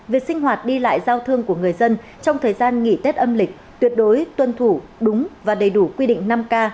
việc sinh hoạt đi lại giao thương của người dân trong thời gian nghỉ tết âm lịch tuyệt đối tuân thủ đúng và đầy đủ quy định năm k